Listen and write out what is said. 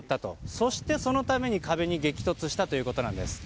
そしてそのために壁に激突したということです。